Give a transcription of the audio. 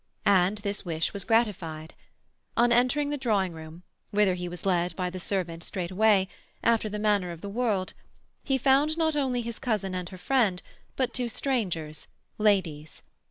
And this wish was gratified. On entering the drawing room, whither he was led by the servant straightway, after the manner of the world, he found not only his cousin and her friend, but two strangers, ladies.